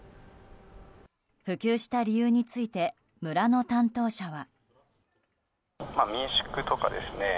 普及した理由について村の担当者は。